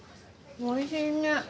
おいしいね！